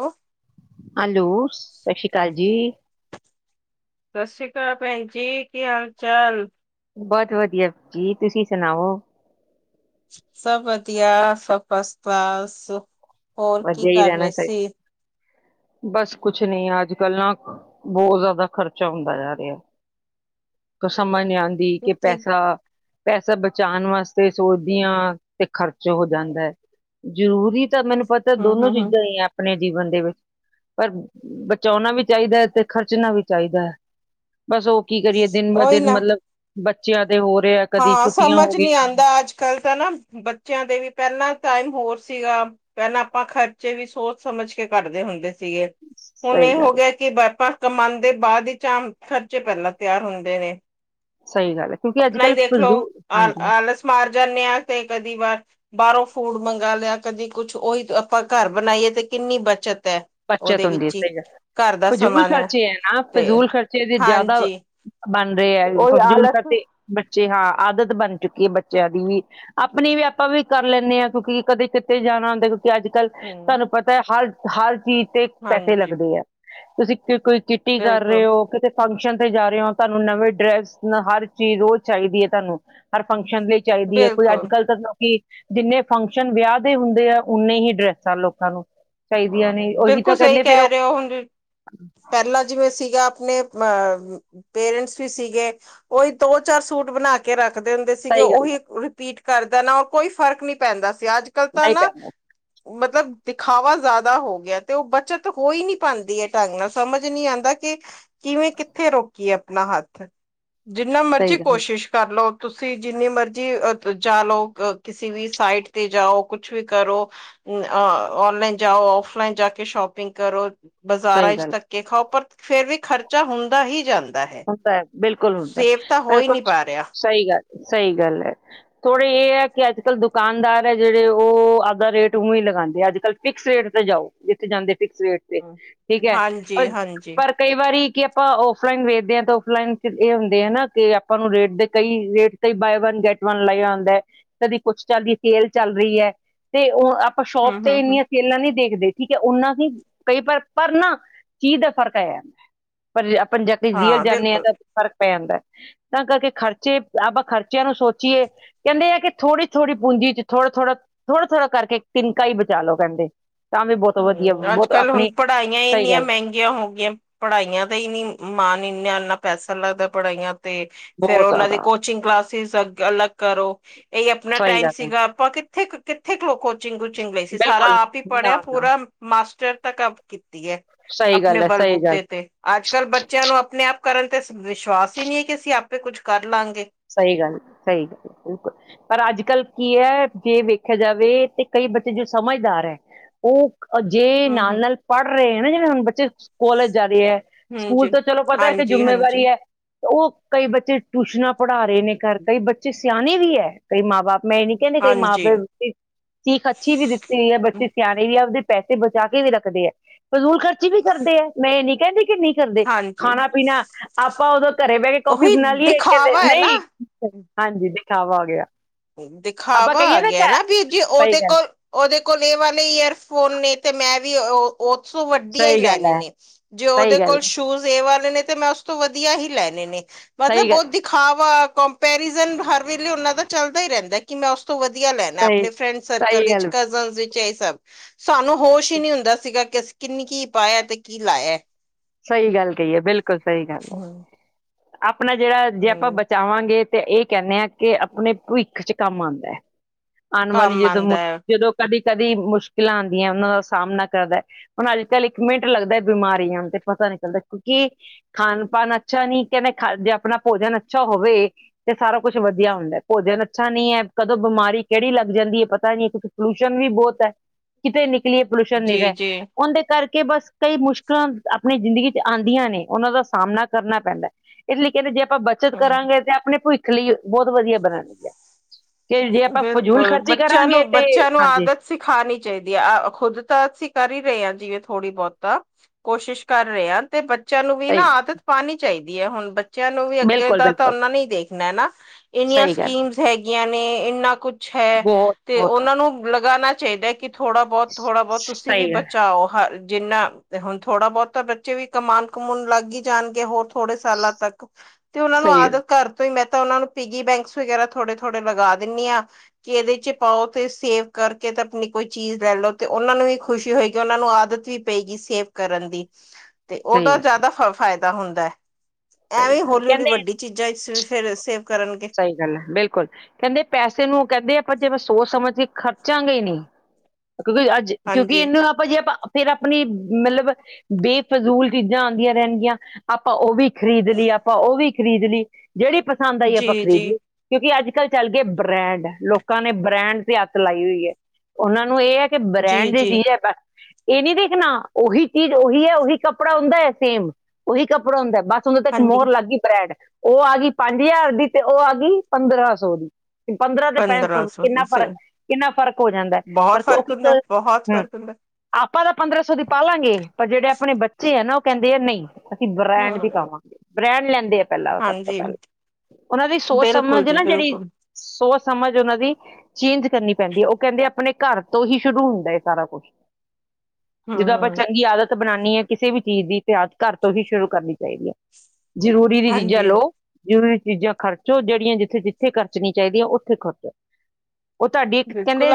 ਉਹ ਹੈਲੋ- ਸਤਿ ਸ਼੍ਰੀ ਅਕਾਲ ਜੀ ਸਤਿ ਸ੍ਰੀ ਅਕਾਲ ਪੈਣ ਜੀ ਕੀ ਹਾਲ- ਚਾਲ ਬਹੁਤ ਵਧੀਆ ਜੀ, ਤੁਸੀਂ ਸੁਣਾਓ ਸਭ ਵਧੀਆ ਸਭ ਫਸ-ਕਲਾਸ ਬੱਸ ਹੋਰ ਕੀ ਵਧੀਆ ਹੀ ਕਰ ਰਹਿਣਾ ਰਹੇ ਸੀ ਚਾਹੀਦਾ। ਬਸ ਕੁਛ ਨੀ ਅੱਜ- ਕੱਲ ਨਾ ਬਹੁਤ ਜ਼ਿਆਦਾ ਖਰਚਾ ਹੁੰਦਾ ਜਾ ਰਿਹਾ, ਕੁਛ ਸਮਜ ਨਹੀਂ ਦੀ ਕਿ ਹਮ ਪੈਸਾ ਪੈਸਾ ਬਚਾਉਣ ਵਾਸਤੇ ਸੋਚ ਦੀ ਆਂ ਤੇ ਖ਼ਰਚ ਹੋ ਜਾਂਦਾ ਹੈ ਜ਼ਰੂਰੀ ਤਾਂ ਮੈਨੂੰ ਪਤਾ ਦੋਨੋ ਹਮ ਹਮ ਚੀਜ਼ਾਂ ਹੀ ਆ ਆਪਣੇ ਜੀਵਨ ਦੇ ਵਿੱਚ ਪਰ ਬਚਾਉਣਾ ਵੀ ਚਾਹੀਦਾ ਹੈ, ਤੇ ਖਰਚਣਾ ਵੀ ਚਾਹੀਦਾ ਹੈ ਬਸ ਉਹ ਕੀ ਕਰੀਏ ਦਿਨ ਬਾ ਉਹੀ ਦਿਨ ਨਾ ਮਤਲਬ ਬੱਚਿਆਂ ਦੇ ਹੋ ਰਿਹਾ ਆ। ਹਾਂ ਸਮਝ ਨੀ ਆਂਦਾ, ਅੱਜ-ਕੱਲ ਤਾਂ ਨਾ ਬੱਚਿਆਂ ਦੇ ਵੀ ਪੈਲਾਂ ਟਾਈਮ ਹੋਰ ਸੀਗਾ ਪੈਲਾਂ ਆਪਾਂ ਖਰਚੇ ਵੀ ਸੋਚ ਸਮਝ ਕੇ ਕਰਦੇ ਹੁੰਦੇ ਸੀਗੇ ਹੁਣ ਸਹੀ ਇਹ ਗੱਲ ਹੋ ਗਿਏ ਕਿ ਆਪਾਂ ਕਮਾਦੇ ਬਾਅਦ ਚ ਆ, ਖਰਚੇ ਪੈਲਾਂ ਤਿਆਰ ਹੁੰਦੇ ਨੇ ਸਹੀ ਗੱਲ ਏ ਕਿਉਂਕਿ ਆਪਣਾ ਹੀ ਅੱਜ-ਕੱਲ੍ਹ ਦੇਖਲੋ ਫਿਰਜ਼ੂ, ਆ ਹਾਂਜੀ। ਆਲਸ ਮਾਰ ਜਾਂਦੇ ਆ ਤੇ ਏਕ ਅਧੀ ਵਾਰ ਬਾਰੋਂ ਫੂਡ ਮੰਗ ਲਿਆ, ਕਦੀ ਕੁਛ ਉਹੀ ਆਪਾਂ ਘਰ ਬਣਾਈਏ ਤੇ ਕਿੰਨੀ ਬੱਚਤ ਐ ਬੱਚਤ ਹੁੰਦੀ ਸਹੀ ਗਲ ਏ, ਫਜ਼ੂਲ ਸਮਾਨ ਹੈ ਖਰਚੇ ਏ ਨਾ ਤੇ ਫਜ਼ੂਲ ਖਰਚੇ ਦੀ ਜ਼ਿਆਦਾ ਹਾਂਜੀ ਬਣ ਰਹੇ ਐ, ਉਹੀ ਫਜ਼ੂਲ ਆਲਸ ਤੇ ਬੱਚੇ ਹਾਂ ਆਦਤ ਬਣ ਚੁੱਕੀ ਏ ਬੱਚਿਆਂ ਦੀ ਵੀ ਆਪਣੀ ਵੀ ਆਪਾਂ ਵੀ ਕਰ ਲੈਂਦੇ ਆ ਕਿਉਂਕਿ ਕਦੇ ਕਿਤੇ ਜਾਣਾ ਹੁੰਦਾ ਕਿਉਂਕਿ ਅੱਜ-ਕੱਲ੍ਹ ਹਮ ਤੁਆਨੂੰ ਪਤਾ ਹਰ-ਹਰ ਚੀਜ਼ ਤੇ ਪੈਸੇ ਹਾਂਜੀ ਲੱਗਦੇ ਆ, ਤੁਸੀਂ ਕੋਈ ਚੀ ਟੀ ਕਰ ਰਹੇ ਬਿਲਕੁਲ ਹੋ, ਕਿਤੇ ਫੰਕਸ਼ਨ ਤੇ ਜਾ ਰਹੇ ਹੋ ਤੁਆਨੂੰ ਨਵੇਂ ਡਰੈਸ ਹਰ ਚੀਜ਼ ਰੋਜ਼ ਚਾਈਦੀ ਐ ਤੁਆਨੂੰ, ਹਰ ਫੰਕਸ਼ਨ ਲਈ ਚਾਈਦੀ ਏ, ਕੋਈ ਬਿਲਕੁਲ ਅੱਜ-ਕੱਲ੍ਹ ਤਾਂ ਲੋਕੀ ਜਿੰਨੇ ਫੰਕਸ਼ਨ ਵਿਆਹ ਦੇ ਹੁੰਦੇ ਆ, ਓਨੇ ਹੀ ਡਰੈਸਾਂ ਲੋਕਾਂ ਨੂੰ ਚਾਈਦੀਆਂ ਹਾਂ ਨੇ- ਉਹੀ ਤਾਂ ਬਿਲਕੁਲ ਸਹੀ ਕਹਿੰਦੇ ਫਿਰ ਕੇਹ ਉਹ ਰਹੇ ਹੋ ਹੁਣ, ਪੈਲਾਂ ਜਿਵੇਂ ਸੀਗਾ ਆਪਣੇ ਅਹ ਪੇਰੈਂਟਸ ਵੀ ਸੀਗੇ, ਓਹੀ ਦੋ-ਚਾਰ ਸੂਟ ਬਣਾ ਕੇ ਕੇ ਰੱਖਦੇ ਹੁੰਦੇ ਸੀਗੇ, ਸਹੀ ਗੱਲ ਉਹੀ ਰਿਪੀਟ ਕਰਦਾ ਨਾ ਔਰ ਕੋਈ ਫਰਕ ਨਈ ਪੈਂਦਾ ਸੀ ਅੱਜ ਅੱਜ-ਕੱਲ ਤਾਂ ਨਹੀਂ ਨਾ ਪੈਂਦਾ ਮਤਲਬ ਦਿਖਾਵਾ ਜ਼ਿਆਦਾ ਹੋ ਗਿਆ ਤੇ ਉਹ ਬੱਚਤ ਹੋ ਹੀ ਨੀ ਪਾਂਦੀ ਐ ਢੰਗ ਨਾਲ ਸਮਝ ਨਈ ਆਂਦਾ ਕਿ- ਕਿਵੇਂ ਕਿੱਥੇ ਰੋਕੀਏ ਆਪਣਾ ਹੱਥ, ਜਿੰਨਾ ਮਰਜ਼ੀ ਸਹੀ ਗੱਲ ਕੋਸ਼ਿਸ਼ ਕਰ ਲਓ ਤੁਸੀਂ ਜਿੰਨੀ ਮਰਜੀ ਚਾ ਲੋ, ਕਿਸੇ ਵੀ ਸਾਈਟ ਤੇ ਜਾਓ, ਕੁਛ ਵੀ ਕਰੋ ਔਨਲਾਈਨ ਜਾਓ, ਓਫ਼ਲਾਂਏਨ ਜਾ ਕੇ ਸ਼ੋਪਿੰਗ ਕਰੋ ਸਹੀ ਬਾਜ਼ਾਰਾਂ ਚ ਗੱਲ ਤੱਕ ਕੇ ਖਾਓ ਫੇਰ ਵੀ ਖਰਚਾ ਹੁੰਦਾ ਹੀ ਜਾਂਦਾ। ਹੈ ਹੁੰਦਾ ਐ ਬਿਲਕੁਲ ਹੁੰਦਾ ਸੇਵ ਤਾਂ ਹੋ ਐ। ਹੀ ਨਹੀਂ ਪਾ ਰਿਹਾ ਸਹੀ ਗੱਲ, ਸਹੀ ਗੱਲ ਏ। ਥੋੜ੍ਹੇ ਏ ਐ ਕਿ ਅੱਜ-ਕੱਲ੍ਹ ਦੁਕਾਨਦਾਰ ਐ ਜੇੜੇ ਉਹ ਆਧਾ ਰੇਟ ਓਵੇਂ ਹੀ ਲਗਾਦੇ ਆ ਅੱਜ-ਕੱਲ੍ਹ ਫਿਕਸ ਰੇਟ ਤੇ ਜਾਓ, ਜਿੱਥੇ ਜਾਂਦੇ ਫਿਕਸ ਰੇਟ ਤੇ ਠੀਕ ਐ, ਹਾਂਜੀ ਹਾਂਜੀ ਪਰ-ਪਰ ਕਈ ਵਾਰੀ ਕਿ ਆਪਾਂ ਔਫਲਾਈਨ ਵੇਖ ਔਫਲਾਈਨ ਚ ਏਹ ਹੁੰਦੇ ਹਨਾ ਕਿ ਆਪਾਂ ਨੂੰ ਰੇਟ ਦੇ ਕਈ ਰੇਟ ਕਈ ਬਾਏ ਵਨ ਗੈਟ ਵਨ ਲਾਇਆ ਆਂਦਾ ਐ। ਕਦੀ ਕੁੱਛ ਚੱਲਦੀ ਸੇਲ ਚੱਲ ਰਹੀ ਐ ਤੇ ਉਹ ਆਪਾਂ ਸ਼ੋਪ ਹਮ ਤੇ ਹਮ ਹਮ ਇੰਨੀਆਂ ਸੇਲਾਂ ਨਈ ਦੇਖਦੇ ਠੀਕ ਏ ਓਨਾ ਸੀ ਕਈ ਪਾਰ ਪਰ ਨਾ ਚੀਜ਼ ਦਾ ਫ਼ਰਕ ਆਇਆ ਪਰ ਆਪਾਂ [unintelligible] ਹਾਂ ਬਿਲਕੁਲ ਫ਼ਰਕ ਪੈ ਜਾਂਦਾ ਤਾਂ ਕਰਕੇ ਖਰਚੇ ਆਪਾਂ ਖਰਚਿਆਂ ਨੂੰ ਸੋਚੀਏ ਕੇਂਦੇ ਆ ਥੋੜੀ-ਥੋੜੀ ਪੂੰਜੀ ਚ ਥੋੜਾ-ਥੋੜਾ ਥੋੜਾ-ਥੋੜਾ ਕਰਕੇ ਏਕ ਤਿਨਕਾ ਹੀ ਬਚਾ ਲੋੋ ਕੇਂਦੇ ਤਾਂ ਵੀ ਬੋਤ ਵਧੀਆ ਹਮ ਅੱਜ ਬੋਤ ਕੱਲ੍ਹ ਆਪਣੀ, ਹੁਣ ਪੜ੍ਹਾਈਆਂ ਹੀ ਸਹੀ ਇੰਨੀਆਂ ਗੱਲ ਮਹਿੰਗੀਆਂ ਹੋ ਗਈਆਂ ਪੜ੍ਹਾਈਆਂ ਦਾ ਹੀ ਨੀ ਮਾਣ ਇੰਨਾ-ਇੰਨਾ ਪੈਸਾ ਲੱਗਦਾ ਪੜ੍ਹਾਈਆਂ ਤੇ ਫੇਰ ਬਹੁਤ ਓਨਾਂ ਦੀ ਜ਼ਿਆਦਾ ਕੋਚਿੰਗ ਕਲਾਸਿਸ ਅ ਅਲੱਗ ਕਰੋ ਏਈ ਆਪਣਾ ਸਹੀ ਟਾਈਮ ਗੱਲ ਹੈ ਸੀਗਾ ਆਪਾਂ ਕਿੱਥੇ-ਕਿੱਥੇ ਕੋਚਿੰਗ-ਕੁਚਿੰਗ ਲਈ ਸੀ ਸਾਰਾ ਬਿਲਕੁਲ ਆਪ ਹੀ ਨਾ ਪੜ੍ਹਿਆ ਨਾ ਪੂਰਾ ਮਾਸਟਰ ਤੱਕ ਆਪ ਕੀਤੀ ਐ, ਸਹੀ ਆਪਣੇ ਗੱਲ ਹੈ ਸਹੀ ਗੱਲ ਬਲਬੂਤੇ ਤੇ ਅੱਜ-ਕੱਲ ਬੱਚਿਆਂ ਨੂੰ ਆਪਣੇ ਆਪ ਕਰਨ ਤੇ ਵਿਸ਼ਵਾਸ ਹੀ ਨੀ ਏ ਕਿ ਅਸੀਂ ਆਪੇ ਕੁਝ ਕਰ ਲਵਾਂਗੇ ਸਹੀ ਗੱਲ, ਸਹੀ ਗੱਲ ਬਿਲਕੁਲ ਪਰ ਅੱਜ-ਕੱਲ ਕੀ ਐ, ਜੇ ਵੇਖਿਆ ਜਾਵੇ ਤੇ ਕਈ ਬੱਚੇ ਜੋ ਸਮਝਦਾਰ ਐ। ਓ ਜੇ ਹਮ ਹਮ ਨਾਲ-ਨਾਲ ਪੜ੍ਹ ਰਹੇ ਆ ਨਾ, ਜਿਹਵੇਂ ਹੁਣ ਬੱਚੇ ਕੋਲਜ ਜਾ ਰਹੇ ਐ ਹਮ ਸਕੂਲ ਜੀ ਤਾਂ ਚਲੋ ਪਤਾ ਏਕ ਹਾਂਜੀ ਜਿੰਮੇਵਾਰੀ ਹਾਂਜੀ ਐ, ਓਹ ਕਈ ਬੱਚੇ ਟਿਊਸ਼ਨਾਂ ਪੜਾ ਰਹੇ ਨੇ ਘਰ ਕਈ ਬੱਚੇ ਸਿਆਣੇ ਵੀ ਏ ਕਈ ਮਾਂ ਬਾਪ ਮੈਂ ਏ ਨੀ ਕੇਂਦੀ, ਕਈ ਮਾਂ ਹਾਂਜੀ ਬਾਪ- ਸੀਖ ਅੱਛੀ ਵੀ ਦਿੱਤੀ ਗਈ ਹੈ ਬੱਚੇ ਸਿਆਣੇ ਵੀ, ਆਪਦੇ ਪੈਸੇ ਬਚਾ ਕੇ ਵੀ ਰੱਖਦੇ ਹੈ। ਫਜ਼ੂਲ ਖਰਚੀ ਵੀ ਕਰਦੇ ਹੈ, ਮੈਂ ਇਹ ਨਹੀਂ ਕਹਿੰਦੀ ਕਿ ਨਹੀਂ ਕਰਦੇ। ਹਾਂਜੀ ਖਾਣਾ ਪੀਣਾ ਆਪਾਂ ਉਦੋਂ ਘਰੇ ਬਹਿ ਕੇ 'ਕੌਫੀ' ਉਹੀ ਬਣਾ ਲਈਏ ਕਹਿੰਦੇ ਦਿਖਾਵਾ ਹੈ ਨਾ ਨਹੀਂ ਹਾਂਜੀ ਦਿਖਾਵਾ ਹੋ ਗਿਆ। ਆਪਾਂ ਦਿਖਾਵਾ ਕਹੀਏ ਆ ਗਿਆ ਕਿ ਨਾ ਵੀ ਜੇ ਸਹੀ ਉਹਦੇ ਗੱਲ ਕੋਲ ਉਹਦੇ ਕੋਲ ਇਹ ਵਾਲੇ 'ਈਅਰਫੋਨ' ਨੇ ਤੇ ਮੈਂ ਵੀ ਉਹ ਉੋਂ ਵੱਡਆ ਹੀ ਸਹੀ ਗੱਲ ਲੈਣੇ ਹੈ ਨੇ, ਜੇ ਸਹੀ ਉਹਦੇ ਗੱਲ ਕੋਲ ਹੈ, 'ਸ਼ੂਜ' ਇਹ ਵਾਲੇ ਨੇ ਤੇ ਮੈਂ ਤੋਂ ਵਧੀਆ ਹੀ ਲੈਣੇ ਨੇ, ਸਹੀ ਮਤਲਬ ਗੱਲ ਬਹੁਤ ਦਿਖਾਵਾ 'ਕੰਪੈਰੀਜ਼ਨ' ਹਰ ਵੇਲੇ ਉਹਨਾਂ ਦਾ ਚੱਲਦਾ ਹੀ ਰਹਿੰਦਾ। ਕਿ ਮੈਂ ਉਸ ਤੋਂ ਵਧੀਆ ਲੈਣਾ ਸਹੀ ਆਪਣੇ 'ਫਰੈਂਡ ਸਰਕਲ' ਸਹੀ ਵਿੱਚ ਗੱਲ ਵਿੱਚ ਇਹ ਸਭ ਸਾਨੂੰ 'ਹੋਸ਼' ਹੀ ਨਹੀਂ ਹੁੰਦਾ ਸੀਗਾ, ਕਿ ਅਸੀਂ ਕਿੰਨੀ ਕੀ ਪਾਇਆ ਤੇ ਕੀ ਲਾਇਆ। ਸਹੀ ਗੱਲ ਕਹੀਏ, ਬਿਲਕੁਲ ਸਹੀ ਗੱਲ। ਹੈ ਹਮ ਆਪਣਾ ਜਿਹੜਾ ਜੇ ਆਪਾਂ ਹਮ ਬਚਾਵਾਂਗੇ। ਤੇ ਇਹ ਕਹਿੰਦੇ ਆ ਕਿ ਆਪਣੇ ਭਵਿੱਖ ਚ ਕੰਮ ਆਉਂਦਾ ਹੈ। ਆਉਣ ਵਾਲੀ ਕੰਮ ਆਉਂਦਾ ਜਦੋਂ, ਹੈ ਜਦੋਂ ਕਦੀ ਕਦੀ 'ਮੁਸ਼ਕਿਲਾਂ' ਆਉਂਦੀਆਂ, ਉਹਨਾਂ ਦਾ ਸਾਹਮਣਾ ਕਰਦਾ। ਹੁਣ ਅੱਜ - ਕੱਲ੍ਹ ਇੱਕ ਮਿੰਟ ਲੱਗਦਾ ਬਿਮਾਰੀਆਂ ਤੇ ਪਤਾ ਨਿਕਲਦਾ। ਕਿਉਂਕਿ ਖਾਣ- ਪਾਨ ਅੱਛਾ ਨਹੀਂ ਕਹਿੰਦੇ ਖਾ ਜੇ ਆਪਣਾ 'ਭੋਜਨ' ਅੱਛਾ ਹੋਵੇ। ਤੇ ਸਾਰਾ ਕੁੱਛ ਵਧੀਆ ਹੁੰਦਾ 'ਭੋਜਨ' ਅੱਛਾ ਨੀ ਹੈ ਕਦੋਂ ਬਿਮਾਰੀ ਕਿਹੜੀ ਲੱਗ ਜਾਂਦੀ ਹੈ ਪਤਾ ਹੀ ਨਿ। ਪੋਲਿਊਸ਼ਨ ਵੀ ਬਹੁਤ ਹੈ। ਕਿਤੇ ਨਿਕਲੀਏ ਪੋਲਿਊਸ਼ਨ ਨਹੀਂ ਜੀ ਰਹੇ ਜੀ ਉਹਦੇ ਕਰਕੇ ਬਸ ਕਈ ਮੁਸ਼ਕਿਲਾਂ। ਆਪਣੀ ਜ਼ਿੰਦਗੀ ਚ' ਆਉਂਦੀਆਂ ਨੇ। ਉਹਨਾਂ ਦਾ ਸਾਹਮਣਾ ਕਰਨਾ ਪੈਂਦਾ। ਇਸ ਲਈ ਕਹਿੰਦੇ ਜੇ ਆਪਾਂ ਬੱਚ ਇੱਜਤ ਹਮ ਕਰਾਂਗੇ ਤੇ ਆਪਣੇ 'ਭਵਿੱਖ'ਲਈ ਬਹੁਤ ਵਧੀਆ ਬਣਾਨਗੇ। ਤੇ ਜੇ ਆਪਾਂ ਫਜੂਲ ਖਰਚ ਕਰਾਂਗੇ ਤੇ ਹਾਂਜੀ। ਸਿਖਾਨੀ ਚਾਹੀਦੀ ਹੈ। ਖੁਦ ਤਾਂ ਅਸੀਂ ਕਰ ਹੀ ਰਹੇ ਹਾਂ। ਜਿਵੇਂ ਥੋੜ੍ਹੀ ਬੋਹਤ ਤਾਂ ਕੋਸ਼ਿਸ਼ ਕਰ ਰਹੇ ਹਾਂ, ਤੇ ਬੱਚਿਆਂ ਨੂੰ ਵੀ ਨਾ ਸਹੀ ਗੱਲ ਆਦਤ ਪਾਣੀ ਚਾਹਦੀ ਹੈ ਹੁਣ। ਬੱਚਿਆਂ ਨੂੰ ਵੀ ਅੱਗੇ ਬਿਲਕੁਲ ਦਾ ਤਾਂ ਬਿਲਕੁਲ ਉਹਨਾ ਨੇ ਦੇਖਣਾ ਹਨ ਨਾ। ਇੰਨੀਆਂ ਸਹੀ ਗੱਲ ਹੈ ਸਕੀਮਸ ਹੈਗੀਆਂ ਨੇ ਇੰਨਾ ਕੁਛ ਕੁ ਹੈ। ਬਹੁਤ ਤੇ ਬਹੁਤ ਉਹਨਾਂ ਨੂੰ ਲਗਾਉਣਾ ਚਾਹੀਦਾ ਕਿ ਥੋੜਾ ਬਹੁਤ, ਥੋੜਾ ਬਹੁਤ ਤੁਸੀਂ ਵੀ ਸਹੀ ਗੱਲ ਹੈ ਬਚਾਓ। ਹਾਂ ਜਿੰਨਾ ਤੇ ਹੁਣ ਥੋੜਾ ਬਹੁਤਾ ਬੱਚੇ ਵੀ ਕਮਾਨ ਕਮਾਉਣ ਲੱਗ ਹੀ ਜਾਣਗੇ, ਹੋਰ ਥੋੜੇ ਸਾਲਾਂ ਤੱਕ। ਤੇ ਉਹਨਾ ਨੂੰ ਸਹੀ ਗੱਲ ਆਦਤ ਘਰ ਤੋਂ ਹੀ ਮੈਂ ਤਾਂ ਉਹ ਨੂੰ ਪਿਗੀ ਬੈਂਕਸ ਵਗੈਰਾ ਥੋੜੇ- ਥੋੜੇ ਲਗਾ ਦਿੰਨੀ ਆਂ। ਕਿ ਇਹਦੇ ਚ' ਪਾਓ ਤੇ ਸੇਵ ਕਰਕੇ ਤੇ ਆਪਣੀ ਕੋਈ ਚੀਜ਼ ਲੈ ਲਓ। ਤੇ ਉਹਨਾਂ ਨੂੰ ਵੀ ਖੁਸ਼ੀ ਹੋਏਗੀ ਉਹਨਾਂ ਨੂੰ ਆਦਤ ਵੀ ਪਏਗੀ ਸੇਵ ਕਰਨ ਦੀ। [inaudible] ਤੇ ਉਹਦਾ ਗੱਲ ਜ਼ਿਆਦਾ ਫ ਫਾਇਦਾ ਹੁੰਦਾ ਹੈ। ਸਹੀ ਐਵੇਂ ਗੱਲ ਹੈ। ਹੌਲੀ ਹੌਲੀ ਕਹਿੰਦੇ ਵੱਡੀ ਚੀਜ਼ ਜਾਂ ਵੀ ਫੇਿਰ ਸੇਵ ਕਰਨਗੇ। ਸਹੀ ਗੱਲ ਹੈ, ਬਿਲਕੁਲ ਕਹਿੰਦੇ ਪੈਸੇ ਨੂੰ ਕਹਿੰਦੇ ਆਪਾਂ ਜੇਵੇਂ ਸੋਚ -ਸਮਝ ਕੇ ਖਰਚਾਂਗੇ ਨੀ। ਕਿਉਂਕਿ ਅੱਜ, ਕਿਉਂਕਿ ਹਾਂਜੀ ਇਹਨੂੰ ਆਪ ਆਪਾਂ ਜੀ, ਆਪਾਂ ਫੇਰ ਆਪਣੀ ਮਤਲਬ ਬੇਫਜ਼ੂਲ ਚੀਜ਼ਾਂ ਆਉਂਦੀਆਂ ਰਹਿਣਗੀਆਂ। ਆਪਾਂ ਉਹ ਵੀ ਖ਼ਰੀਦ ਲੀ। ਆਪਾਂ ਉਹ ਵੀ ਖਰੀਦ ਲੀ ਜਿਹੜੀ ਪਸੰਦ ਆਈ ਆਪਾਂ ਜੀ ਜੀ ਖਰੀਦ ਲਈ ਕਿਉਂਕਿ ਅੱਜ ਕੱਲ੍ਹ ਚੱਲ ਗਏ ਬ੍ਰੈਂਡ। ਲੋਕਾਂ ਨੇ ਬ੍ਰੈਂਡ ਤੇ ਹੱਦ ਲਾਈ ਹੋਈ ਐ। ਉਹਨਾਂ ਨੂੰ ਇਹ ਹੈ ਕਿ ਜੀ ਬ੍ਰੈਂਡ ਦੀ ਜੀ ਚੀਜ਼ ਹੈ। ਇਹ ਨੀ ਦੇਖਣਾ। ਉਹੀ ਚੀਜ਼ ਉਹੀ ਹੈ ਉਹੀ ਕੱਪੜਾ ਹੁੰਦਾ ਐ ਸੇਮ। ਉਹੀ ਕੱਪੜਾ ਹੁੰਦਾ। ਬਸ ਦੋਂ ਤ ਇੱਕ ਹਾਂਜੀ ਮੋਹਰ ਲੱਗ ਗਈ ਬੈਡ। ਉਹ ਆ ਗਈ ਪੰਜ ਹਜ਼ਾਰ ਦੀ, ਤੇ ਉਹ ਆ ਗਈ ਪੰਦਰਾਂ ਸੌ ਦੀ। ਪੰਦਰਾਂ ਤੇ ਪੰਜ ਕਿੰਨਾ ਫਰਕ, ਕਿੰਨਾ ਫਰਕ ਹੋ ਜਾਂਦਾ ਐ ਬਹੁਤ ਪਰ ਉਹ ਫ਼ਰਕ ਕਿ ਹੁੰਦਾ ਬਹੁਤ ਹਮ ਫ਼ਰਕ ਹੁੰਦਾ ਆਪਾਂ ਤਾਂ ਪੰਦਰਾਂ ਸੌ ਦੀ ਪਾ ਲਾਂਗੇ, ਪਰ ਜਿਹੜੇ ਆਪਣੇ ਬੱਚੇ ਹੈ ਨਾ ਉਹ ਕਹਿੰਦੇ ਆ ਨਈ। ਅਸੀਂ ਬ੍ਰੈਂਡ ਵੀ ਹਾਂ ਪਾਵਾਂਗੇ, ਬ੍ਰੈਂਡ ਲੈਂਦੇ ਆ ਪਹਿਲਾਂ ਸਭ ਤੋਂ ਹਾਂਜੀ ਪਹਿਲਾਂ। ਉਹਨਾਂ ਦੀ ਸੋਚ ਬਿਲਕੁਲ ਸਮਝ ਜੀ ਨਾ ਜਿਹੜੀ, ਬਿਲਕੁਲ ਸੋਚ ਸਮਝ ਉਹਨਾਂ ਦੀ ਚੇਂਜ ਕਰਨੀ ਪੈਂਦੀ ਐ ਓ ਕਹਿੰਦੇ ਆਪਣੇ ਘਰ ਤੋਂ ਹੀ ਸ਼ੁਰੂ ਹੁੰਦਾ ਏ ਸਾਰਾ ਕੁਛ। ਜਦੋਂ ਆਪਾਂ ਹਮ ਚੰਗੀ ਆਦਤ ਬਣਾਣੀ ਆ ਕਿਸੇ ਵੀ ਚੀਜ਼ ਦੀ ਤੇ ਆਦਤ ਘਰ ਤੋਂ ਹੀ ਸ਼ੁਰੂ ਕਰਨੀ ਚਾਹੀਦੀ ਐ। ਜ਼ਰੂਰੀ ਦੀ ਚੀਜ਼ਾਂ ਹਾਂਜੀ ਲਓ। ਜ਼ਰੂਰੀ ਚੀਜ਼ਾਂ ਖਰਚੋ। ਜਿਹੜੀਆਂ ਜਿੱਥੇ-ਜਿੱਥੇ ਖਰਚਣੀ ਚਾਹੀਦੀਆਂ ਉੱਥੇ ਖਰਚੋ। ਓ ਤੁਹਾਡੀ ਇੱਕ ਕਹਿੰਦੇ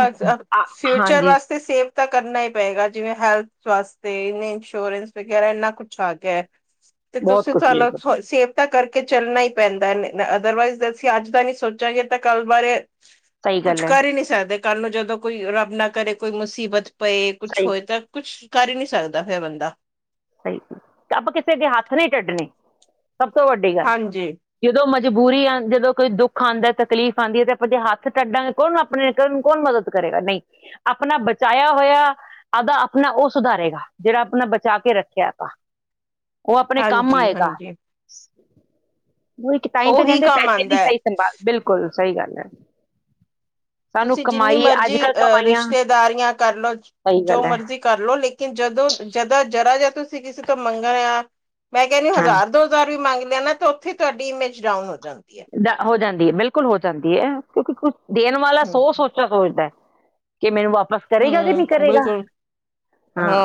ਹਾਂਜੀ। ਤੇ ਸੇਵ ਤਾਂ ਕਰਨਾ ਈ ਪਏਗਾ। ਜਿਵੇਂ ਹੈਲਥ ਵਾਸਤੇ, ਇੰਨੇ ਇੰਸ਼ੋਰੈਂਸ ਵਗੈਰਾ ਇੰਨਾ ਕੁਛ ਆ ਗਿਆ। [inaudible] ਤੇ ਤੁਸੀਂ ਕੁਛ ਹੈ ਚਲੋ ਸੇਫ ਤਾਂ ਕਰਕੇ ਚੱਲਣਾ ਈ ਪੈਂਦਾ। ਅਦਰਵਾਈਜ਼ ਅਸੀਂ ਅੱਜ ਦਾ ਨੀ ਸੋਚਾਂਗੇ ਤਾਂ ਕੱਲ ਬਾਰੇ ਸਹੀ ਗੱਲ ਐ। ਨੀ ਸਕਦੇ। ਕਾਲੂ ਜਦੋਂ ਕੋਈ ਰੱਬ ਨਾ ਕਰੇ ਕੋਈ ਮੁਸੀਬਤ ਪਏ। ਕੁਛ ਸਹੀ ਹੋਏ ਤਾਂ ਕੁਛ ਕਰ ਈ ਨੀ ਸਕਦਾ ਫਿਰ ਬੰਦਾ। ਸਹੀ ਆਪਾਂ ਕਿਸੇ ਅੱਗੇ ਹੱਥ ਨਹੀਂ ਅੱਡਣੇ। ਸਭ ਤੋਂ ਵੱਡੀ ਗੱਲ। ਹਾਂਜੀ ਜਦੋਂ ਮਜਬੂਰੀ ਆ, ਜਦੋਂ ਕੋਈ ਦੁੱਖ ਆਂਦਾ ਤਕਲੀਫ਼ ਆਂਦੀ ਐ। ਤੇ ਆਪਾਂ ਜੇ ਹੱਥ ਟੱਢਾਂਗੇ ਕੌਣ ਆਪਣੇ ਕਰਨ ਨੂੰ ਕੌਣ ਮਦਦ ਕਰੇਗਾ ਨਈ। ਆਪਣਾ ਬਚਾਇਆ ਹੋਇਆ। ਓਦਾਂ ਆਪਣਾ ਓ ਸੁਧਾਰੇਗਾ। ਜਿਹੜਾ ਆਪਣਾ ਬਚਾ ਕੇ ਰੱਖੇ। [unintelligible] ਓ ਆਪਣੇ ਕੰਮ ਹਾਂਜੀ ਆਏਗਾ ਹਾਂਜੀ ਨਈ ਤਾਂਹੀ ਤਾਂ ਉਹੀ ਕਹਿੰਦੇ ਆ ਕੰਮ ਪੈਸੇ ਆਉਂਦਾ ਦੀ ਹੈ ਸਹੀ ਧੰਨਵਾਦ ਬਿਲਕੁਲ, ਸਈ ਗੱਲ ਐ। ਤੁਸੀਂ ਜਿੰਨੀ ਅੱਜ ਮਰਜ਼ੀ ਕੱਲ ਅ ਕਮਾਈਆਂ ਰਿਸ਼ਤੇਦਾਰੀਆਂ ਕਰਲੋ ਸਹੀ ਜੋ ਗੱਲ ਹੈ ਮਰਜ਼ੀ ਕਰ ਲੋ। ਲੇਕਿਨ ਜਦੋਂ ਜਦਾਂ ਜਰਾ ਜਾ ਤੁਸੀਂ ਕਿਸੇ ਤੋਂ ਮੰਗਣਾ ਮੈਂ ਕਹਿਣੀ ਹਾਂ ਹਜ਼ਾਰ ਦੋ ਹਜ਼ਾਰ ਵੀ ਮੰਗ ਦੇ ਆ ਨਾ ਤੇ ਉੱਥੇ ਤੁਹਾਡੀ ਇਮੇਜ ਡਾਊਨ ਹੋ ਜਾਂਦੀ ਐ। ਹੋ ਜਾਂਦੀ ਐ ਬਿਲਕੁਲ ਹੋ ਜਾਂਦੀ ਐ ਕਿਉਂਕਿ ਕੁਛ ਦੇਣ ਵਾਲਾ ਹਮ ਸੋ ਸੋਚ ਸੋਚਦਾ ਕਿ ਮੈਨੂੰ ਵਾਪਸ ਕਰੇਗਾ ਕਿ ਨੀ ਹਮ ਕਰੇਗਾ ਬਿਲਕੁਲ ਹਾਂ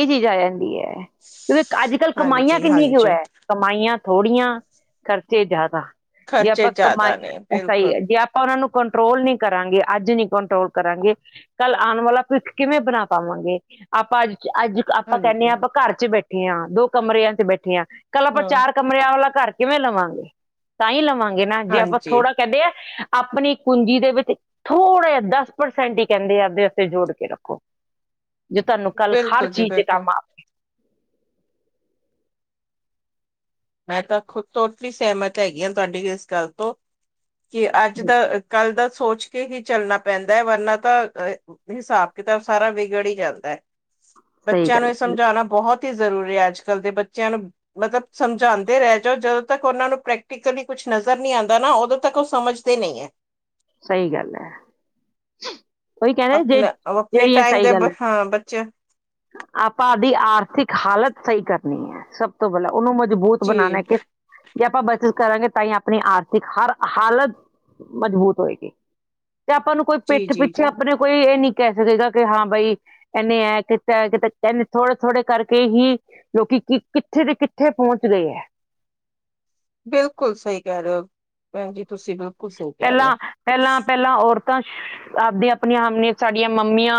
ਏ ਚੀਜ਼ ਆ ਜਾਂਦੀ ਐ ਕਿਉਂਕਿ ਅੱਜ ਕੱਲ੍ਹ ਕਮਾਈਆਂ ਹਾਂਜੀ ਕਿੰਨੀਆਂ ਕੁ ਹਾਂਜੀ ਐ। ਕਮਾਈਆਂ ਥੋੜੀਆਂ ਖਰਚੇ ਜ਼ਿਆਦਾ ਜੇ ਖਰਚੇ ਆਪਾਂ ਕਮਾਈ ਜ਼ਿਆਦਾ ਨੇ ਐਸਾ ਈ ਬਿਲਕੁਲ ਐ ਜੇ ਉਹਨਾਂ ਨੂੰ ਕੰਟਰੋਲ ਨੀ ਕਰਾਂਗੇ ਅੱਜ ਨੀ ਕੰਟਰੋਲ ਕਰਾਂਗੇ। ਕੱਲ ਆਣ ਵਾਲਾ ਭਿੱਖ ਕਿਵੇਂ ਬਣਾ ਪਾਵਾਂਗੇ ਆਪਾਂ ਅੱਜ ਅੱਜ ਆਪਾਂ ਕਹਿਣੇ ਆ ਹਾਂਜੀ ਆਪਾਂ ਘਰ ਚ ਬੈਠੇ ਆ ਦੋ ਕਮਰਿਆਂ ਚ ਬੈਠੇ ਆ ਕੱਲ ਆਪਾਂ ਹਾਂ ਚਾਰ ਕਮਰਿਆਂ ਵਾਲਾ ਘਰ ਕਿਵੇਂ ਲਵਾਂਗੇ ਤਾਂ ਹੀ ਲਵਾਂਗੇ ਨਾ ਜੇ ਆਪਾਂ ਹਾਂਜੀ ਥੋੜਾ ਕਹਿੰਦੇ ਆ ਆਪਣੀ ਕੁੰਜੀ ਦੇ ਵਿੱਚ ਥੋੜ੍ਹਾ ਜਾ ਦਸ ਪਰਸੈਂਟ ਈ ਕਹਿੰਦੇ ਆ ਆਪਦੇ ਵਾਸਤੇ ਜੋੜ ਕੇ ਰੱਖੋ ਜੇ ਤੁਹਾਨੂੰ ਕੱਲ ਹਰ ਬਿਲਕੁਲ ਜੀ ਚੀਜ਼ ਤੇ ਕੰਮ ਬਿਲਕੁਲ ਮੈਂ ਤਾਂ ਖੁਦ ਤੋਂ ਸਹਿਮਤ ਹੈਗੀ ਆ ਤੁਹਾਡੀ ਇਸ ਗੱਲ ਤੋਂ ਕਿ ਅੱਜ ਬਿਲ- ਦਾ ਕੱਲ ਦਾ ਸੋਚ ਕੇ ਹੀ ਚੱਲਣਾ ਪੈਂਦਾ ਐ ਵਰਨਾ ਤਾਂ ਹਿਸਾਬ-ਕਿਤਾਬ ਸਾਰਾ ਵਿਗੜ ਈ ਜਾਂਦਾ। ਸਹੀ ਬੱਚਿਆਂ ਗੱਲ ਨੂੰ ਏ ਹੈ, ਬਿਲ- ਸਮਝਾਣਾ ਬਹੁਤ ਈ ਜ਼ਰੂਰੀ ਐ ਅੱਜ ਕੱਲ੍ਹ ਦੇ ਬੱਚਿਆਂ ਨੂੰ ਮਤਲਬ ਸਮਝਾਂਦੇ ਰਹਿ ਜਾਓ ਜਦੋਂ ਤੱਕ ਉਹਨਾਂ ਨੂੰ ਪ੍ਰੈਕਟੀਕਲੀ ਕੁਛ ਨਜ਼ਰ ਨੀ ਆਂਦਾ ਨਾ ਉਦੋਂ ਤੱਕ ਓ ਸਮਝਦੇ ਨੀ ਐ। ਸਈ ਗੱਲ ਐ। ਓਹੀ ਕਹਿੰਦੇ ਆ ਨਾ ਜੇ ਆਪਣਾ ਆਪਣੇ ਜਿਹੜੀ ਆ ਟਾਈਮ ਸਹੀ ਦੇ ਗੱਲ ਐ। ਹਾਂ ਬੱਚੇ ਆਪਾਂ ਆਪਦੀ ਆਰਥਿਕ ਹਾਲਤ ਸਈ ਕਰਨੀ ਐ ਸਭ ਤੋਂ ਪਹਿਲਾਂ ਉਹਨੂੰ ਮਜ਼ਬੂਤ ਜੀ ਬਣਾਣਾ ਕਿ ਜੇ ਆਪਾਂ ਬਚਤ ਕਰਾਂਗੇ ਤਾਂ ਹੀ ਆਪਣੀ ਆਰਥਿਕ ਹਰ ਹਾਲਤ ਮਜ਼ਬੂਤ ਹੋਏਗੀ। ਤੇ ਆਪਾਂ ਨੂੰ ਕੋਈ ਜੀ ਪਿੱਠ ਜੀ ਪਿੱਛੇ ਜੀ ਆਪਣੇ ਕੋਈ ਏ ਨੀ ਕਹਿ ਸਕੇਗਾ ਕਿ ਹਾਂ ਬਈ ਏਨੇ ਐ ਕੀਤਾ ਇਹਨੇ ਥੋੜੇ-ਥੋੜੇ ਕਰਕੇ ਹੀ ਲੋਕੀ ਕਿੱਥੇ ਤੇ ਕਿੱਥੇ ਪਹੁੰਚ ਗਏ ਹੈ। ਬਿਲਕੁਲ ਸਹੀ ਕਹਿ ਰਹੇ ਹੋ ਭੈਣ ਜੀ ਤੁਸੀਂ ਤਾਂ ਪਹਿਲਾਂ ਪਹਿਲਾਂ-ਪਹਿਲਾਂ ਔਰਤਾਂ ਆਪਦੀ ਆਪਣੀਆਂ ਹਮਣੇ ਸਾਡੀਆਂ ਮੰਮੀਆਂ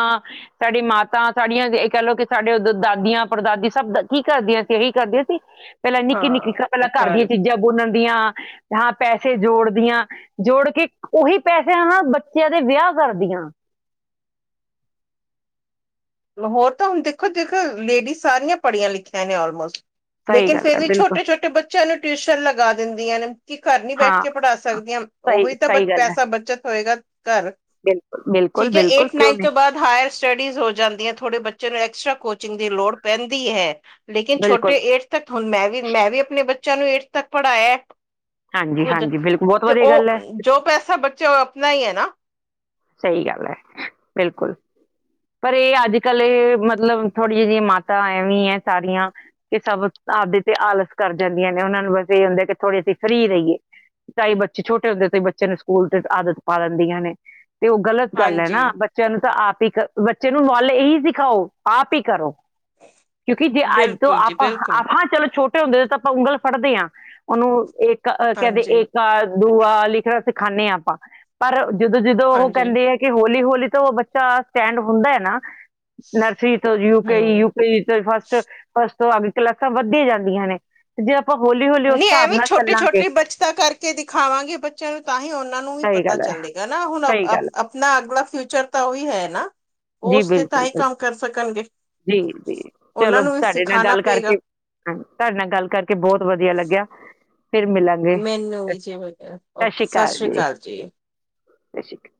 ਸਾਡੇ ਮਾਤਾ ਸਾਡੀਆਂ ਇਹ ਕਹਿ ਲਓ ਕਿ ਸਾਡੇ ਉਦੋਂ ਦਾਦੀਆਂ ਪੜਦਾਦੀ ਸਭ ਕੀ ਕਰਦੀਆਂ ਸੀ ਇਹੀ ਕਰਦੀਆਂ ਸੀ ਪਹਿਲਾਂ ਨਿੱਕੀ-ਨਿੱਕੀ ਹਾਂ ਪਹਿਲਾਂ ਉਹ ਘਰ ਦੀਆਂ ਚੀਜ਼ਾਂ ਬੁੰਨਣ ਦੀਆਂ ਹਾਂ ਪੈਸੇ ਜੋੜਦੀਆਂ ਜੋੜ ਕੇ ਉਹੀ ਪੈਸਿਆਂ ਨਾ ਬੱਚਿਆਂ ਦੇ ਵਿਆਹ ਕਰਦੀਆਂ ਹੋਰ ਤਾਂ ਹੁਣ ਦੇਖੋ-ਦੇਖੋ ਲੇਡੀਜ਼ ਸਾਰੀਆਂ ਪੜ੍ਹੀਆਂ ਲਿਖੀਆਂ ਨੇ ਆਲਮੋਸਟ ਸਹੀ ਲੇਕਿਨ ਗੱਲ ਫੇਰ ਹੈ ਵੀ ਬਿਲਕੁਲ ਛੋਟੇ-ਛੋਟੇ ਬੱਚਿਆਂ ਨੂੰ ਟਿਊਸ਼ਨ ਲਗਾ ਦਿੰਦੀਆਂ ਨੇ ਕਿ ਘਰ ਨੀ ਬੈਠ ਹਾਂ ਕੇ ਪੜ੍ਹਾ ਸਕਦੀਆਂ ਸਹੀ ਉਹੀ ਤਾਂ ਬ ਸਹੀ ਗੱਲ ਹੈ ਪੈਸਾ ਬੱਚਤ ਹੋਏਗਾ ਘਰ ਬਿਲਕੁਲ ਬਿਲਕੁਲ ਠੀਕ ਹੈ ਬਿਲਕੁਲ ਏਟ ਕਿਉਂ ਨਾਈਨਥ ਨਹੀਂ ਤੋਂ ਬਾਅਦ ਹਾਇਰ ਸਟੱਡੀਜ਼ ਹੋ ਜਾਂਦੀ ਹੈ ਥੋੜੇ ਬੱਚੇ ਨੂੰ ਐਕਸਟਰਾ ਕੋਚਿੰਗ ਦੀ ਲੋੜ ਪੈਂਦੀ ਹੈ ਲੇਕਿਨ ਛੋਟੇ ਬਿਲਕੁਲ ਏਟ ਤੱਕ ਹੁਣ ਮੈਂ ਵੀ ਮੈਂ ਵੀ ਆਪਣੇ ਬੱਚਿਆਂ ਨੂੰ ਏਟ ਤੱਕ ਪੜ੍ਹਾਇਆ ਹਾਂਜੀ ਖੁਦ ਹਾਂਜੀ ਬਿਲਕੁਲ ਬਹੁਤ ਤੇ ਵਧੀਆ ਗੱਲ ਉਹ ਹੈ ਜੋ ਪੈਸਾ ਬੱਚੇ ਆਪਣਾ ਹੀ ਹੈ ਨਾ ਸਹੀ ਗੱਲ ਹੈ ਬਿਲਕੁਲ। ਪਰ ਇਹ ਅੱਜ ਕੱਲ੍ਹ ਮਤਲਬ ਥੋੜ੍ਹੀ ਜਿਹੀ ਜਹੀਆਂ ਮਾਤਾ ਐਵੇਂ ਹੈ ਸਾਰੀਆਂ ਕਿ ਸਭ ਆਪਦੇ ਤੇ ਆਲਸ ਕਰ ਜਾਂਦੀਆਂ ਨੇ ਉਹਨਾਂ ਨੂੰ ਬਸ ਇਹ ਹੁੰਦਾ ਕਿ ਥੋੜ੍ਹੇ ਅਸੀਂ ਫ੍ਰੀਰ ਰਹੀਏ ਚਈ ਬੱਚੇ ਛੋਟੇ ਹੁੰਦੇ ਤੇ ਬੱਚੇ ਨੂੰ ਸਕੂਲ ਤੇ ਆਦਤ ਪਾ ਲੈਂਦੀਆਂ ਨੇ ਤੇ ਉਹ ਗਲਤ ਗੱਲ ਹੈ ਹਾਂਜੀ ਨਾ ਚਲੂੰ ਤਾਂ ਆਪ ਹੀ ਬੱਚੇ ਨੂੰ ਵੱਲ ਇਹੀ ਸਿਖਾਓ ਆਪ ਹੀ ਕਰੋ ਕਿਉਂਕਿ ਜੇ ਅੱਜ ਬਿਲਕੁਲ ਜੀ ਆਪ ਬਿਲਕੁਲ ਆਪ ਹਾਂ ਚਲੋ ਛੋਟੇ ਹੁੰਦੇ ਤਾਂ ਆਪਾਂ ਉਂਗਲ ਫੜਦੇ ਹਾਂ ਉਹਨੂੰ ਇੱਕ ਕਹਿੰਦੇ ਹਾਂਜੀ ਇੱਕ ਆ ਦੂਆ ਲਿਖਣਾ ਸਿਖਾਉਂਦੇ ਹਾਂ ਆਪਾਂ ਪਰ ਜਦੋਂ-ਜਦੋਂ ਉਹ ਹਾਂਜੀ ਕਹਿੰਦੇ ਹੈ ਕਿ ਹੌਲੀ-ਹੌਲੀ ਤੋਂ ਬੱਚਾ ਸਟੈਂਡ ਹੁੰਦਾ ਹੈ ਨਾ ਨਰਸਰੀ ਤੋਂ ਹਮ ਯੂਕੇ-ਯੂਕੇ ਤੋਂ ਫਸਟ-ਫਸਟ ਤੋਂ ਅੱਗ ਕਲਾਸਾਂ ਵੱਧੀਆਂ ਜਾਂਦੀਆਂ ਨੇ ਤੇ ਜੇ ਆਪਾਂ ਹੋਲੀ ਨਹੀਂ ਐਵੇਂ ਛੋਟੀ-ਛੋਟੀ ਬੱਚਤ ਕਰਕੇ ਦਿਖਾਵਾਂਗੇ ਬੱਚਿਆਂ ਨੂੰ ਤਾਂ ਹੀ ਉਹਨਾਂ ਨੂੰ ਵੀ ਸਹੀ ਪਤਾ ਗੱਲ ਹੈ ਚੱਲੇਗਾ ਨਾ ਹੁਣ ਸਹੀ ਗੱਲ ਹੈ ਆਪਣਾ ਅਗਲਾ ਫਿਊਚਰ ਤਾਂ ਉਹੀ ਹੈ ਨਾ ਉਹ ਜੀ ਉਸ ਤੇ ਤਾਂ ਹੀ ਬਿਲਕੁਲ-ਬਿਲਕੁਲ ਕੰਮ ਕਰ ਸਕਣਗੇ ਜੀ-ਜੀ ਉਹਨਾਂ ਚਲੋ ਨੂੰ ਵੀ ਤੁਹਾਡੇ ਨਾਲ ਸਿਖਾਣਾ ਗੱਲ ਕਰਕੇ ਪਏਗਾ ਹਾਂ ਤੁਹਾਡੇ ਨਾਲ ਗੱਲ ਕਰਕੇ ਬਹੁਤ ਵਧੀਆ ਲੱਗਿਆ ਫਿਰ ਮਿਲਾ ਮੈਨੂੰ ਵਿਜੇ ਵ ਸਤਿ ਸ੍ਰੀ ਅਕਾਲ ਜੀ। [unintelligible]